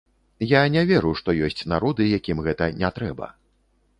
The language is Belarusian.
Я не веру, што ёсць народы, якім гэта не трэба.